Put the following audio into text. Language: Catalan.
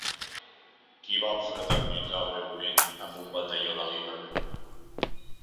Qui va fraternitzar breument amb un batalló de Liverpool?